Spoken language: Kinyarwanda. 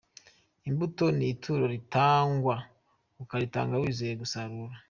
Imbuto ni ituro ritangwa, ukaritanga wizeye gusarura.